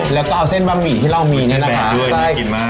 แล้วก็เอาเส้นบำหมี่ที่เรามีนะฮะมีสีแบนด้วยดีกินมาก